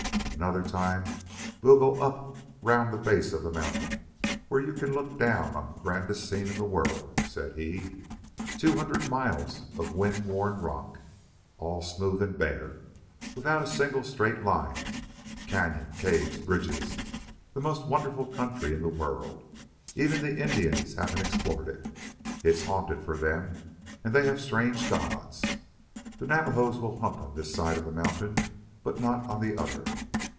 "Another time we'll go up round the base of the mountain, where you can look down on the grandest scene in the world," said he. "Two hundred miles of wind worn rock, all smooth and bare, without a single straight line cañon, caves, bridges the most wonderful country in the world! Even the Indians haven't explored it. It's haunted, for them, and they have strange gods. The Navajos will hunt on this side of the mountain, but not on the other.